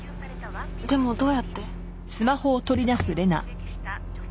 でもどうやって？